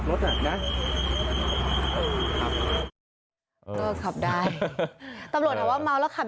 หมายถึงขับไม่ได้เหมือนมัวละขับรถครับ